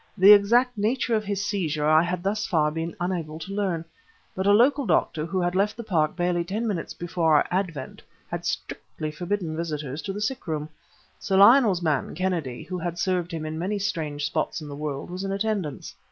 The exact nature of his seizure I had thus far been unable to learn; but a local doctor, who had left the Park barely ten minutes before our advent, had strictly forbidden visitors to the sick room. Sir Lionel's man, Kennedy, who had served him in many strange spots in the world, was in attendance.